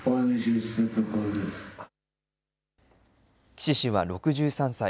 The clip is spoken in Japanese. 岸氏は６３歳。